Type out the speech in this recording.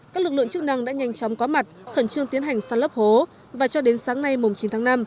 các lực lượng chức năng đã nhanh chóng có mặt khẩn trương tiến hành săn lấp hố và cho đến sáng nay chín tháng năm